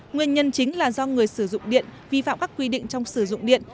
nguyên nhân chính là do người sử dụng điện vi phạm các quy định trong sử dụng điện